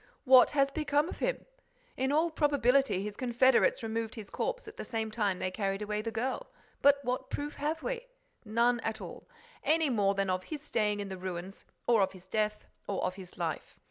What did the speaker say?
"What has become of him? In all probability, his confederates removed his corpse at the same time that they carried away the girl; but what proof have we? None at all. Any more than of his staying in the ruins, or of his death, or of his life.